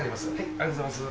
ありがとうございます。